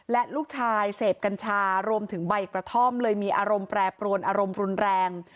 และลูกชายเสพกัญชารวมถึงใบกระท่อมเลยมีอารมณ์แปรปรวนอารมณ์รุนแรง